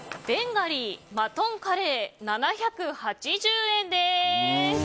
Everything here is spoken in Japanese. ベンガリーマトンカレー７８０円。